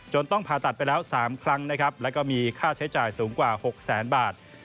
ต้องผ่าตัดไปแล้ว๓ครั้งนะครับแล้วก็มีค่าใช้จ่ายสูงกว่า๖แสนบาท